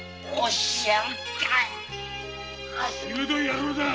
しぶとい野郎だ。